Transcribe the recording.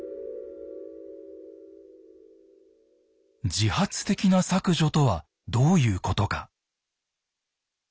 「自発的な削除」とはどういうことか。